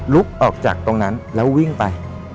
ลุกออกจากตรงนั้นแล้ววิ่งไป